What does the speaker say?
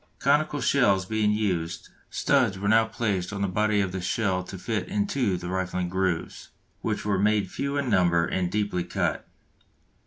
Conical shells being used, studs were now placed on the body of the shell to fit into the rifling grooves, which were made few in number and deeply cut.